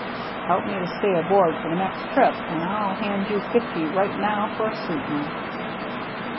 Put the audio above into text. Help me to stay aboard for the next trip, an' I'll hand you fifty right now for a sweetener."